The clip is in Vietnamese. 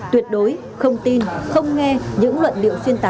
tuyệt đối không tin không nghe những luận điệu xuyên tạc